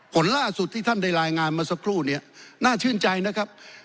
ผลล่าสุดที่ท่านได้รายงานมาสักครู่เนี่ยน่าชื่นใจนะครับ